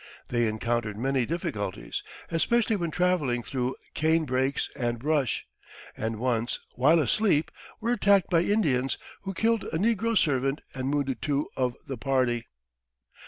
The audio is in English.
They encountered many difficulties, especially when traveling through cane brakes and brush; and once, while asleep, were attacked by Indians, who killed a negro servant and wounded two of the party.